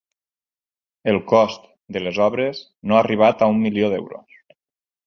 El cost de les obres no ha arribat a un milió d'euros.